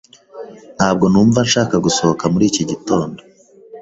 Ntabwo numva nshaka gusohoka muri iki gitondo.